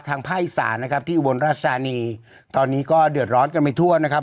ภาคอีสานนะครับที่อุบลราชธานีตอนนี้ก็เดือดร้อนกันไปทั่วนะครับ